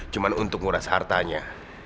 cuman untuk nguras hartanya